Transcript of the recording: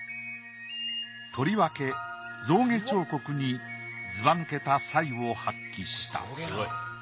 とりわけ象牙彫刻にずば抜けた才を発揮した。